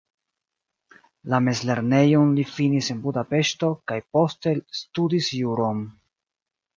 La mezlernejon li finis en Budapeŝto kaj poste studis juron.